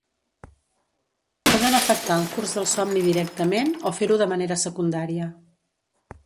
Poden afectar el curs del somni directament, o fer-ho de manera secundària.